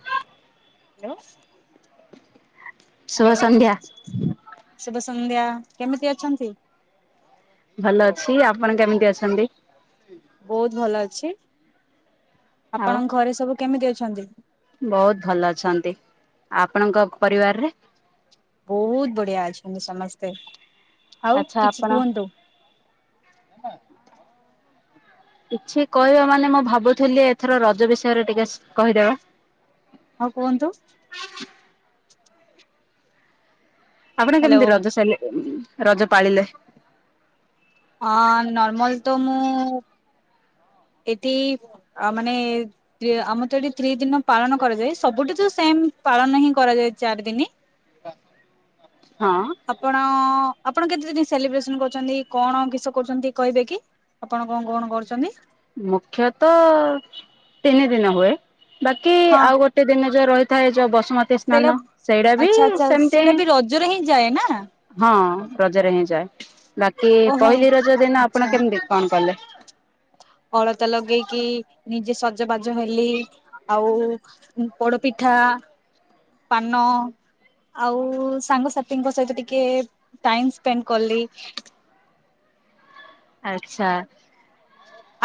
Hello ଶୁଭ ସନ୍ଧ୍ୟା hello ଶୁଭ ସନ୍ଧ୍ୟା କେମିତି ଅଛନ୍ତି? ଭଲ ଅଛି ଆପଣ କେମିତି ଅଛନ୍ତି? ବହୁତ ଭଲ ଅଛି ଆଉ ଆପଣଙ୍କ ଘରେ ସବୁ କେମିତି ଅଛନ୍ତି? ବହୁତ ଭଲ ଅଛନ୍ତି ଆପଣଙ୍କ ପରିବାରରେ? ବହୁତ ବଢିଆ ଅଛନ୍ତି ସମସ୍ତେ। ଆଉ ଆଚ୍ଛା କିଛି ଆପଣ କୁହନ୍ତୁ କିଛି କହିବା ମାନେ ମୁଁ ଭାବୁଥିଲି ଏଥର ରଜ ବିଷୟରେ ଟିକେ କହିଦେବା। ହଉ କୁହନ୍ତୁ? ଆପଣ କେମିତି ହ୍ୟାଲୋ। ରଜ ସାରିଲେ, ରଜ ପାଳିଲେ? ହଁ ନର୍ମାଲ ତ ମୁଁ ଏଠି ମାନେ ଆମର ତ ଏଠି ଦି ଦିନ ପାଳନ କରାଯାଏ ସବୁଠୁ ତ ସେମ ପାଳନ ହିଁ କରାଯାଏ ଚାରି ଦିନି। ହଁ ଆପଣ ଆପଣ କେତେ ଦିନ ସେଲିବ୍ରେସନ କରୁଛନ୍ତି, କଣ କିଷ କରୁଛନ୍ତି କହିବେ କି? ଆପଣ କଣ କଣ କରୁଛନ୍ତି? ମୁଖ୍ୟତ ତିନି ଦିନ ହୁଏ ବାକି ହଁ ଆଉ ଗୋଟେ ଗୋଏ ଦିନ ଯୋଉ ରହିଥାଏ ଯୋ ବସୁମ୍ ତି ସେଇଟା ସ୍ନାନ ସେଇଟା ବି ଆଚ୍ଛା ଆଚ୍ଛା ସେମତି ସେଇଟା ବି ରଜରେ ହିଁ ଯାଏ ନା? ହଁ ରଜରେ ହିଁ ଯାଏ ବାକି ଓହୋ ପହିଲି ରଜ ଦିନ ଆଚ୍ଛା ଆପଣ କେମିତି କଣ କଲେ? ଅଳତା ଲଗେଇକି ନିଜେ ସଜବାଜ ହେଲି ଆଉ ପୋଡପିଠା ପାନ ଆଉ ସାଙ୍ଗସାଥିଙ୍କ ସହିତ ଟିକେ ଟାଇମ ସ୍ପେଣ୍ଡ କଲି। ଆଚ୍ଛା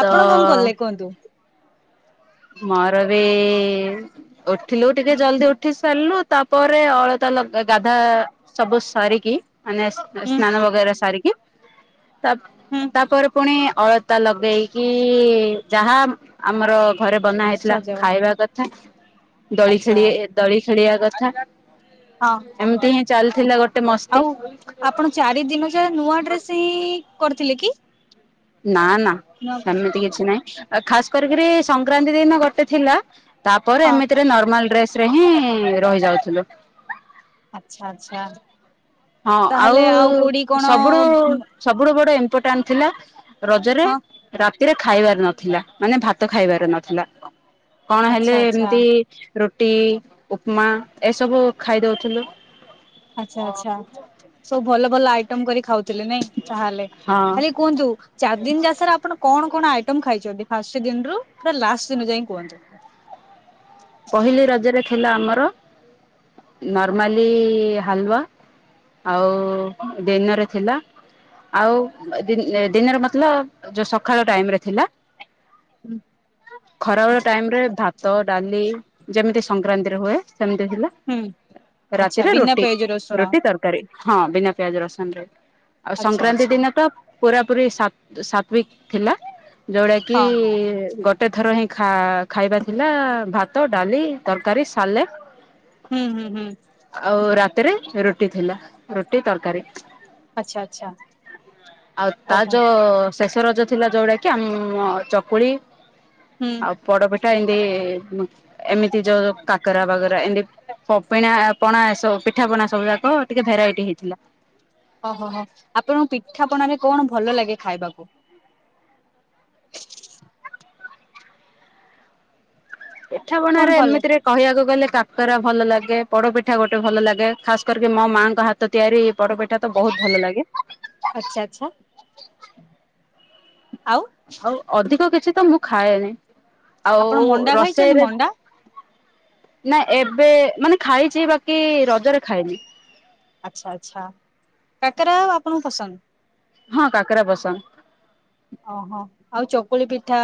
ତ ଆପଣ କଣ କଲେ କୁହନ୍ତୁ? ମର ବି ଉଠିଲୁ ଟିକେ ଜଲଦି ଉଠି ସାରିଲୁ ତାପରେ ଅଳତା ଲଗ୍ ଗାଧା ସବୁ ସାରିକି ମାନେ ହୁଁ ସ୍ନାନ ବଗେରା ସାରିକି ତା ହୁଁ ତାପରେ ପୁଣି ଅଳ ତା ଲଗେଇକି ଯାହା ଆମର ଘରେ ବନା ହେଇଥିଲା ସଜବା ଖାଇବା କଥା ଦଳି ଆଚ୍ଛା ଖେଳି ଦଳି ଖେଳିବା କଥା ହଁ ଏମିତି ହିଁ ଚାଲିଥିଲା ଗୋଟେ ମସ୍ତି। ଆଉ ଆପଣ ଚାରି ଦିନ ଯାଏ ନୂଆ ଡ୍ରେସ୍ ହିଁ କରିଥିଲେ କି? ନା ନା ନୂଆ ସେମିତି କିଛି ନାହିଁ। ଖାସ୍ କରିକିରି ସଂକ୍ରାନ୍ତି ଦିନ ଗୋଟେ ଥିଲା ତାପରେ ହଁ ଏମିତିରେ ନର୍ମାଲ ଡ୍ରେସ୍ ରେ ହିଁ ରହିଯାଉଥିଲୁ। ଆଛା ଆଚ୍ଛା। ହଁ ଆଉ ତାହେଲେ କୋଉଠି କଣ ସବୁଡୁ ସବୁଠୁ ବଡ ଇମ୍ପୋର୍ଟାଣ୍ଟ ଥିଲା ହଁ ରଜରେ ରାତିରେ ଖାଇବାର ନଥିଲା। ମାନେ ଭାତ ଖାଇବାର ନଥିଲା। କଣ ଆଚ୍ଛା ହେଲେ ଆଚ୍ଛା ଏମିତି ରୁଟି, ଉପମା ଏସବୁ ଖାଇଦଉଥିଲୁ। ଆଛା ଆଚ୍ଛା। ସବୁ ଭଲ, ଭଲ ଆଇଟମ୍ କରି ଖାଉଥିଲେ ନାଇଁ ତାହେଲେ? ହଁ ଆରେ କୁହନ୍ତୁ? ଚାରି ଦିନ ଯାସରେ ଆପଣ କଣ କଣ ଆଇଟମ୍ ଖାଇଛନ୍ତି? ଫାଷ୍ଟ ଦିନ ରୁ ପୁରା ଲାଷ୍ଟ ଦିନ ଯାଇ କୁହନ୍ତୁ? ପହିଲି ରଜରେ ଥିଲା ଆମର ନର୍ମାଲି ହାଲୁଆ। ଆଉ ଦିନରେ ଥିଲା ଆଉ ଦିନର ମତଲବ୍ ଯୋଉ ସକାଳ ଟାଇମ୍ ରେ ଥିଲା। ଖରାବେଳେ ଟାଇମ୍ ରେ ଭାତ, ଡାଲି ଯେମିତି ସଂକ୍ରାନ୍ତିରେ ହୁଏ, ସେମିତି ଥିଲା। ହୁଁ ଆଚ୍ଛା ରାତିରେ ବିନା ରୁଟି ପିଆଜ ରସୁଣ ରୁଟି ତରକାରୀ। ହଁ ବିନା ପିଆଜ ରସୁଣ ରେ ଆଉ ଆଚ୍ଛା ସଂକ୍ରାନ୍ତି ଆଚ୍ଛା ଦିନ ତ ପୁରାପୁରି ସାତ୍ ସାତ୍ୱିକ୍ ଥିଲା ଯୋଉଟା କି ହଁ ଗ ଗୋଟେ ଥର ହିଁ ଖା ଖାଇବାର ଥିଲା ଭାତ ଡାଲି ତରକାରୀ ସାଲେଟ୍ ହୁଁ ହୁଁ ହୁଁ। ଆଉ ରାତିରେ ରୁଟି ଥିଲା। ରୁଟି ତରକାରୀ। ଆଚ୍ଛା ଆଚ୍ଛା ଆଉ ତା ଓହୋ ଜ ଶେଷ ରଜ ଥିଲା ଯଉଟାକି ଆମ ଚକୁଳି ହୁଁ। ଆଉ ପୋଡପିଠା ଏମତି, ଏମିତି ଯୋଉ କାକରା ବାଗରା ଏମତି ପପିଣା ପଣା ଏସବୁ ପିଠା ପଣା ସବୁ ଯାକ ଟିକେ ଭେରାଇଟି ହେଇଥିଲା। ହୋ, ହୋ, ହୋ। ଆପଣଙ୍କୁ ପିଠାପଣାରେ କଣ ଭଲ ଲାଗେ ଖାଇବାକୁ? ପିଠା କଣ ପଣାରେ ଭଲ ଲାଗେ ଏମିତିରେ କହିବାକୁ ଗଲେ କାକରା ଭଲ ଲାଗେ, ପଡପିଠା ଗୋଟେ ଭଲ ଲାଗେ, ଖାସ୍ କରିକି ମୋ ମାଙ୍କ ହାତ ତ ତିଆରି ପୋଡପିଠା ତ ବୋହୁତ୍ ଭଲ ଲାଗେ। ଆଛା ଆଚ୍ଛା। ଆଉ ଆଉ ଅଧିକ କିଛି ତ ମୁଁ ଖାଏନି। ଆପଣ ଆଉ ମଣ୍ଡା ଖାଇଛନ୍ତି ରଷେଇରେ ମଣ୍ଡା ନା ଏବେ ମାନେ ଖାଇଛି ବାକି ରଜରେ ଖାଇନି। ଆଚ୍ଛା ଆଚ୍ଛା। କାକରା ଆପଣଙ୍କୁ ପସନ୍ଦ? ହଁ କାକେରା ପସନ୍ଦ। ଓହୋ। ଆଉ ଚକୁଳି ପିଠା,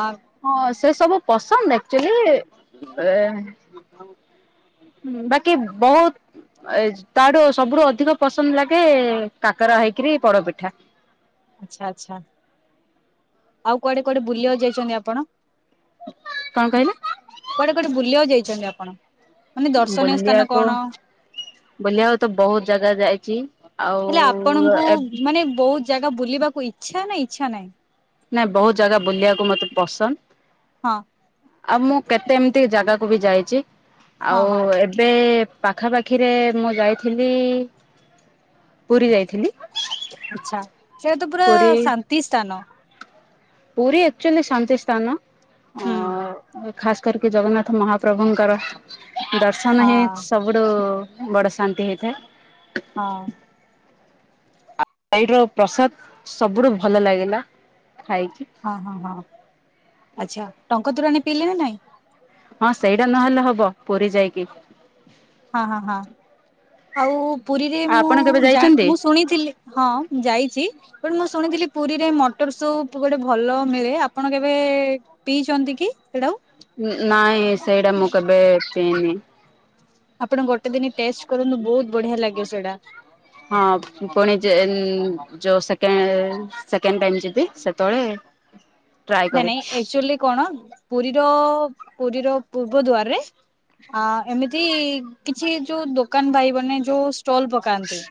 ଆ ହଁ ସେ ସବୁ ପସନ୍ଦ ଆକ୍ଚୁଆଲି ହୁଁ ବାକି ବୋହୁତ୍ ଏ ତାଠୁ ସବୁଠୁ ଅଧିକ ପସନ୍ଦ ଲାଗେ କାକରା ହେଇକିରି ପୋଡ଼ାପିଠା। ଆଛା ଆଚ୍ଛା। ଆଉ କୁଆଡେ କୁଆଡେ ବୁଲିବାକୁ ଯାଇଛନ୍ତି ଆପଣ? କଣ କହିଲେ କୁଆଡେ କୁଆଡେ ବୁଲିବାକୁ ଯାଇଛନ୍ତି ଆପଣ? ମାନେ ଦର୍ଶନୀୟ ସ୍ଥାନ କଣ? ବୁଲିଆକୁ ତ ବୋହୁତ୍ ଜାଗା ଯାଇଛି। ଆଉ ହେଲେ ଆପଣଙ୍କୁ ଏ ମାନେ ବୋହୁତ୍ ଜାଗା ବୁଲିବାକୁ ଇଚ୍ଛା ନା ଇଚ୍ଛା ନାହିଁ? ନା ବୋହୁତ୍ ଜାଗା ବୁଲିବାକୁ ମତେ ପସନ୍ଦ। ହଁ। ଆଉ ମୁଁ କେତେ ଏମିତି ଜାଗାକୁ ବି ଯାଇଛି। ହଁ ଆଉ ହଁ ଏବେ ପାଖାପାଖିରେ ମୁଁ ଯାଇଥିଲି ପୁରୀ ଯାଇଥିଲି। ଆଚ୍ଛା। ସେରା ତ ପୁରା ପୁରୀ ଶାନ୍ତି ସ୍ଥାନ। ପୁରୀ ଆକଚୁଆଲି ଶାନ୍ତି ସ୍ଥାନ। ହୁଁ। ଖାସ୍ କରିକି ଜଗନ୍ନାଥ ମହାପ୍ରଭୁଙ୍କର ଦର୍ଶନ ହଁ ହିଁ ସବୁ ଟୁ ବଡ଼ ଶାନ୍ତି ହେଇଥାଏ। ହଁ। [unintelligible] ର ପ୍ରସାଦ ସବୁଠୁ ଭଲ ଲାଗିଲା ଖାଇକି। ହଁ ହଁ ହଁ। ଆଚ୍ଛା, ଟଙ୍କ ତୋରାଣି ପିଇଲେ ନା ନାଇଁ? ହଁ ସେଇଟା ନହେଲେ ହବ ପୁରୀ ଯାଇକି। ହଁ ହଁ ହଁ। ଆଉ ପୁରୀରେ ମୁଁ ଆପଣ କେବେ ଯା ଯାଇଛନ୍ତି? ମୁଁ ଶୁଣିଥିଲି ହଁ ମୁଁ ଯାଇଚି। ବଟ୍ ମୁଁ ଶୁଣିଥିଲି ପୁରୀରେ ମଟର ସୁପ୍ ଗୋଟେ ଭଲ ମିଳେ ଆପଣ କେବେ ପିଇଛନ୍ତି କି? ସେଇଟାକୁ? ନାଇଁ ସେଇଡ଼ା ମୁଁ କେବେ ପିଇନି। ଆପଣ ଗୋଟେ ଦିନ ଟେଷ୍ଟ କରନ୍ତୁ ବହୁତ୍ ବଢିଆ ଲାଗେ ସେଇଟା। ହଁ ପୁଣି ଯେନ୍ ଯୋଉ ସେକେ ସେକେଣ୍ଡ ଟାଇମ୍ ଯିବି ସେତେବେଳେ ଟ୍ରାଏ କରେ ମାନେ ଏକଚୁଆଲି କଣ ପୁରୀର ପୁରୀର ପୂର୍ବ ଦ୍ୱାରରେ ଆ ଏମିତି କିଛି ଯୋଉ ଦୋକାନ ଭାଇ ମାନେ ଯୋଉ ଷ୍ଟଲ୍ ପକାନ୍ତି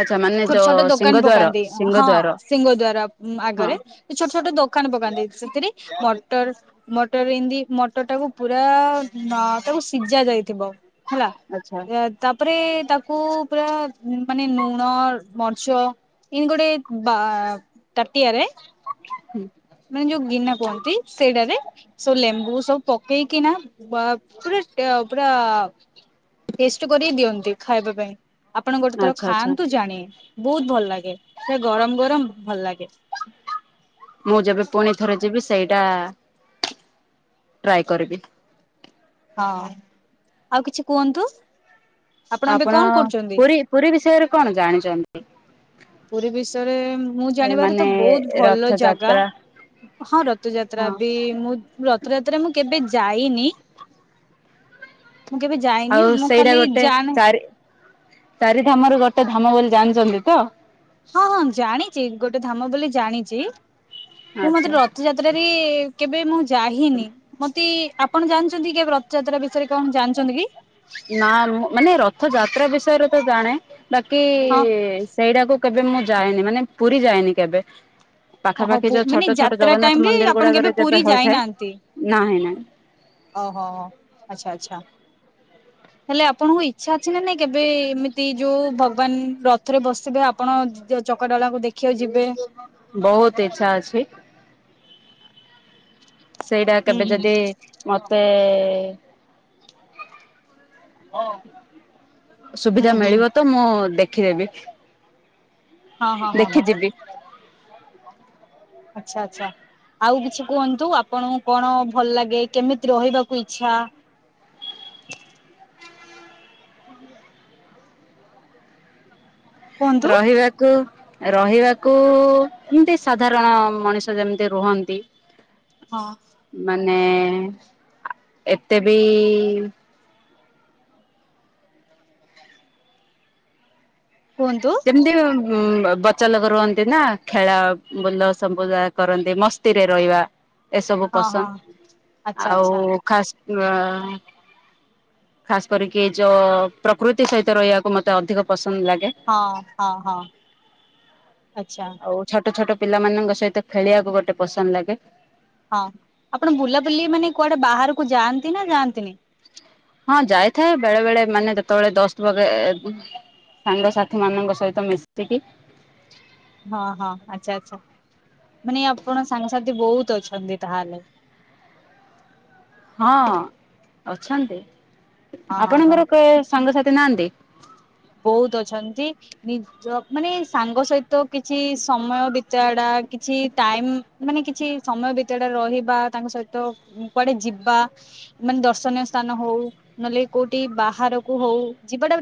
ଆଚ୍ଛା ମାନେ ଛୋଟ ଯୋଉ ଛୋଟ ଦୋକାନ ସିଂହଦ୍ୱାର ପକାନ୍ତି, ହଁ ସିଂହଦ୍ୱାର ସିଂହ ଦ୍ୱାର ହଁ ଆଗରେ ଛୋଟ ଛୋଟ ଦୋକାନ ପକାନ୍ତି। ସେଥିରେ ମଟର ମଟର ଏନ୍ତି ମଟର ଟାକୁ ପୁରା ଅ ତାକୁ ସିଝା ଯାଇଥିବ ହେଲା। ଆଚ୍ଛା। ତାପରେ ତାକୁ ପୁରା ମାନେ ନୁ ଲୁଣ, ମରିଚ ଇନ୍ତି ଗୋଟେ ବା ତାଟିଆ ରେ ହୁଁ ମାନେ ଯୋଉ ଗିନା କୁହନ୍ତି ସେଇଟାରେ ସବୁ ଲେମ୍ବୁ ସବୁ ପକେଇକିନା ବା ପୁରା ଟ ପୁରା ଟେଷ୍ଟ କରି ଦିଅନ୍ତି ଖାଇବା ପାଇଁ। ଆପଣ ଗୋଟେ ଥର ଆଚ୍ଛା ଆଚ୍ଛା ଖାଆନ୍ତୁ ଜାଣିବେ। ବହୁତ୍ ଭଲ ଲାଗେ। ସେଇଟା ଗରମ୍ ଗରମ୍ ଭଲ ଲାଗେ। ମୁଁ ଯେବେ ପୁଣି ଥରେ ଯିବି ସେଇଟା ଟ୍ରାଏ କରିବି। ହଁ, ଆଉ କିଛି କୁହନ୍ତୁ। ଏବେ ଆପଣ କଣ କରୁଛନ୍ତି? ପୁରୀ ପୁରୀ ବିଷୟରେ କଣ ଜାଣିଚନ୍ତି? ପୁରୀ ବିଷୟରେ ମୁଁ ଏ ଜାଣିବାରେ ତ ମାନେ ବହୁତ୍ ଭଲ ଜାଗା। ରଥଯାତ୍ରା ହଁ ରଥଯାତ୍ରା ହଁ ବି ମୁଁ ରଥଯାତ୍ରାରେ ମୁଁ କେବେ ଯାଇନି। ମୁଁ କେବେ ଯାଇନି। ଆଉ ମୁଁ ସେଇଟା ଖାଲି ଗୋଟେ ଜାଣେ ଚାରି ଚାରି ଧାମ ରୁ ଗୋଟେ ଧାମ ବୋଲି ଜାଣିଚନ୍ତି ତ? ହଁ ହଁ ଜାଣିଚି, ଗୋଟେ ଧାମ ବୋଲି ଜାଣିଚି। ମୁଁ ମାତ୍ର ଆଚ୍ଛା। ରଥଯା ତ୍ରାରେ କେବେ ମୁଁ ଯାହିନି। ମତେ ଆପଣ ଜାଣିଚନ୍ତି କି କେବେ ରଥଯାତ୍ରା ବିଷୟରେ କଣ ଜାଣିଚନ୍ତି କି? ନା ମୁଁ ମାନେ ରଥ ଯାତ୍ରା ବିଷୟରେ ତ ଜାଣେ। ବାକି ହଁ ସେଇଟାକୁ କେବେ ମୁଁ ଯାଏନି। ମାନେ ପୁରୀ ଯାଇନି କେବେ। ଓହୋ ପାଖାପାଖି ଯୋଉ ମାନେ ଛୋଟ ଛୋଟ ଯାତ୍ରା ଟାଇମ ଜଗନ୍ନାଥ ରେ ମନ୍ଦିର ଆପଣ କେବେ ଗୁଡାକରେ ପୁରୀ ଯେବେ ହୋଇଥାଏ, ନାହିଁ ନାହିଁ। ଅ ହୋ। ଆଚ୍ଛା ଆଚ୍ଛା। ହେଲେ ଆପଣଙ୍କୁ ଇଚ୍ଛା ଅଛି ନା ନାଇଁ କେବେ ଏମିତି ଯୋଉ ଭଗବାନ ରଥରେ ବସିବେ ଆ ଆପଣ ଯ ଚକାଡୋଳା କୁ ଦେଖିବାକୁ ଯିବେ। ବହୁତ୍ ଇଚ୍ଛା ଅଛି। ସେଇଟା ହୁଁ କେବେ ହୁଁ ଯଦି ମତେ ହୁଁ ସୁବିଧା ହୁଁ ମିଳିବ ତ ମୁଁ ଦେଖିଦେବି। ହଁ ହଁ ହଁ ହ ଦେଖିଯିବି। ଆଚ୍ଛା ଆଚ୍ଛା। ଆଉ କିଛି କୁହନ୍ତୁ ଆପଣଙ୍କୁ କଣ ଭଲ ଲାଗେ କେମିତି ରହିବାକୁ ଇଚ୍ଛା କୁହନ୍ତୁ ରହିବାକୁ ରହିବାକୁ ଏମିତି ସାଧାରଣ ମଣିଷ ଯେମିତି ରୁହନ୍ତି। ହଁ ମାନେ ଏତେ ବି କୁହନ୍ତୁ ଯେମିତି ହଁ ବଚାଲୋକ ରୁହନ୍ତି ନା ଖେଳା ବୁଲ ସବୁଯା କରନ୍ତି ମସ୍ତିରେ ରହିବା ଏସବୁ ହଁ ହଁ ଆଚ୍ଛା ପସନ୍ଦ ଆଚ୍ଛା। ଆଉ ଖାସ୍ ଖାସ୍ କରିକି ଏ ଯୋ ପ୍ରକୃତି ସହିତ ରହିବାକୁ ମୋତେ ଅଧିକ ପସନ୍ଦ ଲାଗେ ହଁ ହଁ ହଁ ଆଚ୍ଛା। ଆଉ ଛୋଟ ଛୋଟ ପିଲାମାନଙ୍କ ସହିତ ଖେଳିବାକୁ ଗୋଟେ ପସନ୍ଦ ଲାଗେ। ହଁ ଆପଣ ବୁଲାବୁଲି ମାନେ କୁଆଡେ ବାହାରକୁ ଯାଆନ୍ତି ନା ଯାଆନ୍ତିନି। ହଁ ଯାଇଥାଏ ବେଳେ ବେଳେ ମାନେ ଯେତେବେଳେ ଦଶ ବଗେ। ସାଙ୍ଗସାଥି ମାନଙ୍କ ସହିତ ମିଶିକି ହଁ ହଁ ଆଚ୍ଛା ଆଚ୍ଛା ମାନେ ଆପଣ ସାଙ୍ଗସାଥି ବହୁତ ଅଛନ୍ତି ତାହେଲେ ହଁ ଅଛନ୍ତି ହଁ ହଁ ହଁ ଆପଣଙ୍କର କେ ସାଙ୍ଗସାଥି ନାହାନ୍ତି ବହୁତ ଅଛନ୍ତି। ନିଜ ମାନେ ସାଙ୍ଗ ସହିତ କିଛି ସମୟ ବିତାଇବା ଟା କିଛି ଟାଇମ ମାନେ କିଛି ସମୟ ଭିତରେ ରହିବା ତାଙ୍କ ସହିତ କୁଆଡେ ଯିବା। ମାନେ ଦର୍ଶନୀୟ ସ୍ଥାନ ହଉ ନହେଲେ କୋଉଠି ବାହାରକୁ ହଉ ଯିବାଟା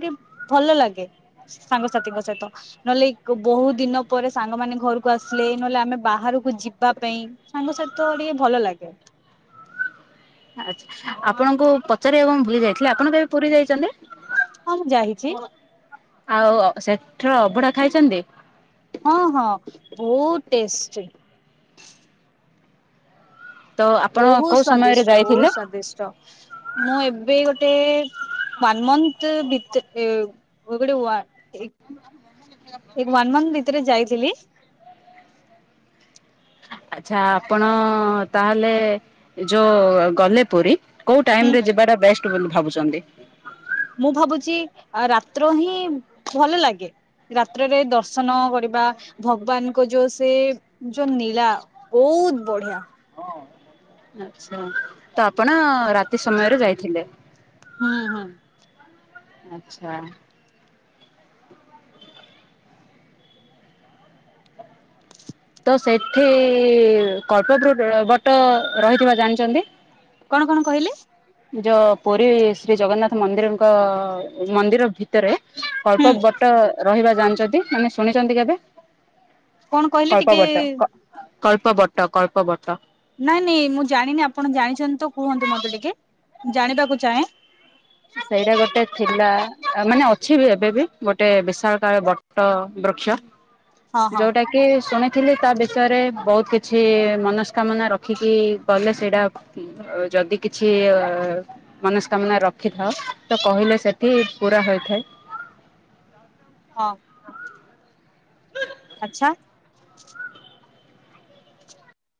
ଭଲ ଲାଗେ ସାଙ୍ଗସାଥିଙ୍କ ସହିତ ନହେଲେ ବହୁ ଦିନ ପରେ ସାଙ୍ଗମାନୋନ ଘରକୁ ଆସିଲେ ନହେଲେ ଆମେ ବାହାରକୁ ଯିବା ପାଇଁ ସାଙ୍ଗସାଥି ତ ଟିକେ ଭଲ ଲାଗେ ଆଛା ଆପଣଙ୍କୁ ପଚାରିବାକୁ ମୁଁ ଭୁଲି ଯାଇଥିଲେ ଆପଣ କେବେ ପୁରୀ ଯାଇଛନ୍ତି ହଁ ମୁଁ ଯାଇଛି ଆଉ ସେଠର ଅଭଡ଼ା ଖାଇଛନ୍ତି ହଁ ହଁ ବହୁତ ଟେଷ୍ଟି ତ ଆପଣ ବହୁତ କୋଉ ସମୟରେ ସ୍ଵାଦିଷ୍ଟ ବହୁତ ଯାଇଥିଲେ? ସ୍ଵାଦିଷ୍ଟ ମୁଁ ଏବେ ଗୋଟେ ୱାନ ମନ୍ଥ ଭିତରେ ଗୋଟେ ୱାନ ମୋନ୍ଥ ଭିତରେ ଯାଇଥିଲି। ଆଚ୍ଛା ଆପଣ ତାହେଲେ ଯୋ ଗଲେ ପୁରୀ। କୋଉ ହୁଁ ଟାଇମ ରେ ଯିବାଟା ବେଷ୍ଟ ବୋଲି ଭାବୁଛନ୍ତି। ମୁଁ ଭାବୁଛି ରାତ୍ର ହିଁ ଭଲ ଲାଗେ ରାତ୍ରରେ ଦର୍ଶନ କରିବା ଭଗବାନଙ୍କ ଯୋଉ ସେ ଯୋଉ ନୀଳା ବହୁତ ବଢିଆ ଆଛା ତ ଆପଣ ରାତି ସମୟରେ ଯାଇଥିଲେ ହୁଁ ହୁଁ ଆଚ୍ଛା ତ ସେଠି କଳ୍ପପ ବଟ ରହିଥିବା ଜାଣିଛନ୍ତି। କଣ କଣ କହିଲି? ଯୋଉ ପୁରୀ ଶ୍ରୀ ଜଗନ୍ନାଥ ମନ୍ଦିରଙ୍କ ମନ୍ଦିର ଭିତରେ ହୁଁ କଳ୍ପ ରହିବା ଜାଣିଛନ୍ତି ମାନେ ଶୁଣିଛନ୍ତି କେବେ କଣ କହିଲେ କଳ୍ପ ଟିକେ ବଟ କଳ୍ପ ବଟ କଳ୍ପ ବଟ ନାଇଁ ନାଇଁ ମୁଁ ଜାଣିନି ଆପଣ ଜାଣିଛନ୍ତି ତ କୁହନ୍ତୁ ମତେ ଟିକେ ଜାଣିବାକୁ ଚାହେଁ ସେଇଟା ଗୋଟେ ଥିଲା ମାନେ ଅଛି ବି ଏବେ ବି ଗୋଟେ ବିଶାଳ କାଳ ବ ବୃକ୍ଷ ହଁ ହଁ ଯୋଉଟା କି ଶୁଣ ଥିଲି ତା ବିଷୟରେ ବହୁତ କିଛି ମନସ୍କାମନା ରଖିକି ଗଲେ ସେଇଟା ଓ ଯଦି କିଛି ଅ ମନସ୍କାମନା ର ଖିଥାଅ ତ କହିଲେ ସେଠି ପୁରା ହୋଇଥାଏ। ହଁ। ଆଚ୍ଛା।